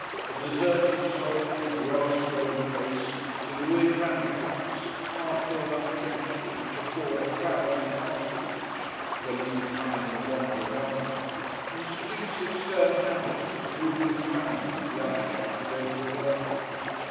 A deserted, solitary, grass grown place, with ruined ramparts; half filled up trenches, which afford a frowsy pasturage to the lean kine that wander about them; and streets of stern houses, moodily frowning at the other houses over the way.